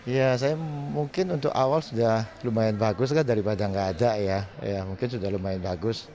ya saya mungkin untuk awal sudah lumayan bagus kan daripada nggak ada ya mungkin sudah lumayan bagus